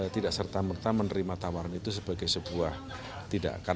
tidak serta merta menerima tawaran itu sebagai sebuah tindakan